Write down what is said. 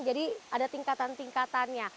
jadi ada tingkatan tingkatannya